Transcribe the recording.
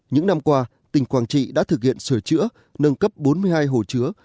những năm qua tỉnh quảng trị đã thực hiện sửa chữa nâng cấp bốn mươi hai hồ chứa